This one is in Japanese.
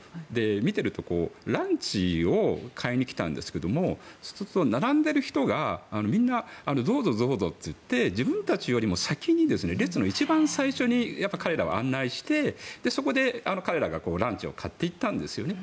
見ていると、ランチを買いに来たんですけどもそうすると並んでいる人がみんなどうぞ、どうぞって言って自分たちよりも先に列の一番先に彼らは案内して、そこで彼らがランチを買っていったんですよね